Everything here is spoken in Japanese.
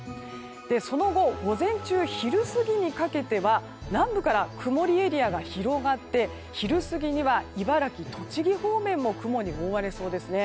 その後、午前中昼過ぎにかけては南部から曇りエリアが広がって昼過ぎには茨城、栃木方面も雲に覆われそうですね。